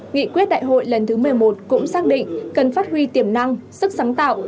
nghị quyết đại hội lần thứ một mươi một cũng xác định cần phát huy tiềm năng sức sáng tạo